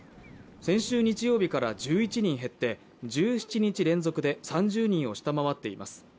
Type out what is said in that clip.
先週日曜日から１１人減って１７日連続で３０人を下回っています。